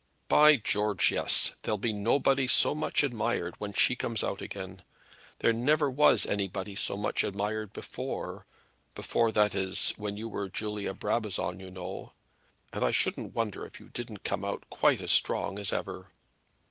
"By George, yes, there'll be nobody so much admired when she comes out again. There never was anybody so much admired before, before, that is, when you were Julia Brabazon, you know; and I shouldn't wonder if you didn't come out quite as strong as ever."